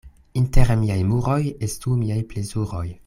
Inter miaj muroj estu miaj plezuroj.